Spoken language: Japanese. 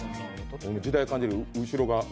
時代感じる、後ろが。